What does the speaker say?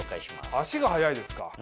足が速いですか。